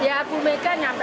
ya aku megan sampai